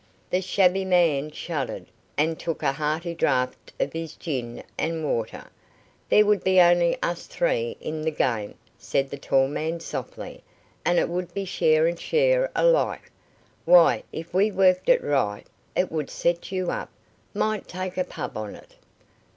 The shabby man shuddered, and took a hearty draught of his gin and water. "There would be only us three in the game," said the tall man softly, "and it would be share and share alike. Why, if we worked it right, it would set you up. Might take a pub on it."